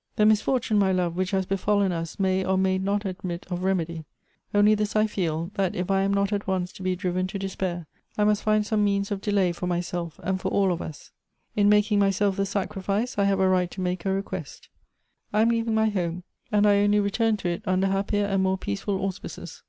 " The misfortune, my love, which has befallen us, may or may not admit of remedy ; only this I feel, that if I am not at once to be driven to despair, I must find some means of delay for myself, and for all of us. In making myself the sacrifice, I have a right to make a request. I i'.ni leaving my home, and I only return to it under hap pier and more peaceful auspices.